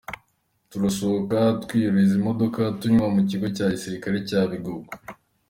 Turasohoka twurizwa imodoka tujyanwa mu kigo cya gisirikare cya Bigogwe.